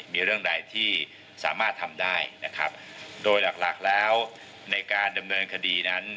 มีเรื่องใดที่สามารถทำได้นะครับโดยหลักหลักแล้วในการดำเนินคดีนั้น